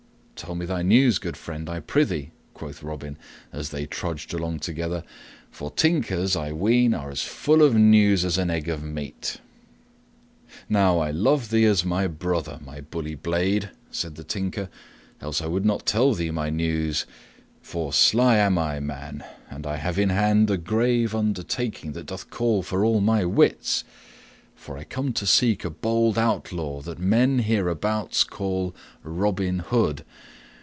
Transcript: "Tell me thy news, good friend, I prythee," quoth Robin as they trudged along together, "for tinkers, I ween, are all as full of news as an egg of meat." "Now I love thee as my brother, my bully blade," said the Tinker, "else I would not tell thee my news; for sly am I, man, and I have in hand a grave undertaking that doth call for all my wits, for I come to seek a bold outlaw that men, hereabouts, call Robin Hood.